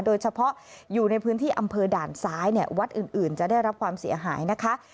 โดยเฉพาะอยู่ในพื้นที่อำเภอด่านซ้ายเนี่ยวัดอื่นจะได้รับความเสียหายนะคะ